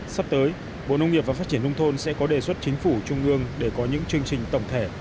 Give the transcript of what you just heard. sắp tới bộ nông nghiệp và phát triển nông thôn sẽ có đề xuất chính phủ trung ương để có những chương trình tổng thể